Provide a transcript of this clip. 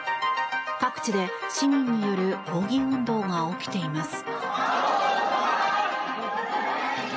各地で市民による抗議運動が起きています。